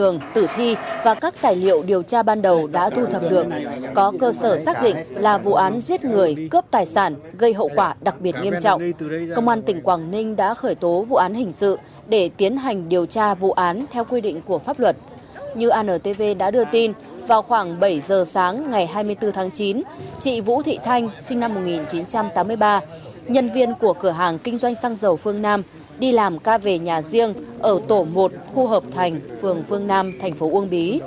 nhiều nhân viên của cửa hàng kinh doanh xăng dầu phương nam đi làm ca về nhà riêng ở tổ một khu hợp thành phường phương nam thành phố uông bí